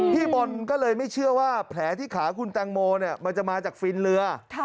พี่บอลก็เลยไม่เชื่อว่าแผลที่ขาคุณแตงโมมันจะมาจากฟินเรือ